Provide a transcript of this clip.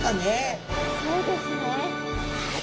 そうですね。